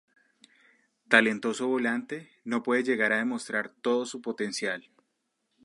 Talentoso volante, no pudo llegar a demostrar todo su potencial.